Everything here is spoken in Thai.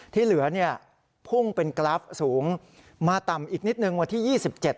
ที่เหลือเนี่ยพุ่งเป็นกราฟสูงมาต่ำอีกนิดนึงวันที่ยี่สิบเจ็ด